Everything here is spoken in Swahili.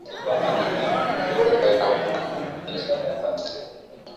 Viumbe wanaobeba ugonjwa na virusi husababisha ugonjwa wa homa ya bonde la ufa